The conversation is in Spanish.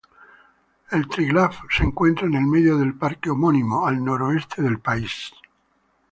El Triglav se encuentra en el medio del parque homónimo, al noroeste del país.